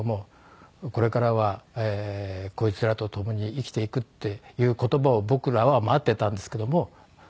「これからはこいつらと共に生きていく」っていう言葉を僕らは待っていたんですけども